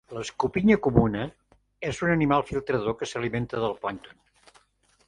L'escopinya comuna és un animal filtrador que s'alimenta del plàncton.